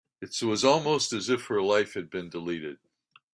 It was almost as if her life had been deleted.